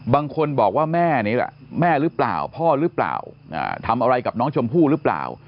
บางคนบอกว่าแม่นี่แหละแม่หรือเปล่าพ่อหรือเปล่าทำอะไรกับน้องชมพู่หรือเปล่า